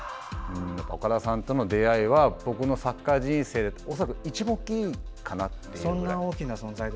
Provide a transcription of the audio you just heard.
岡田さんとの出会いは僕のサッカー人生で恐らく一番大きいと言っていいかなというぐらい。